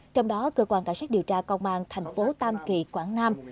trong đó cơ quan cảnh sát điều tra công an thành phố tam kỳ quảng nam